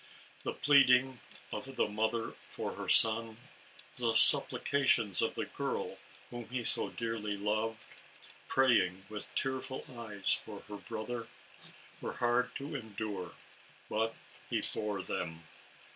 The pleading of the mother for her son, the supplications of the girl, whom he so dearly loved, praying, with tearful eyes, for the brother, were hard to endure, but he bore them.